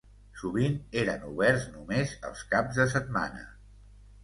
Sovint eren oberts només els caps de setmana.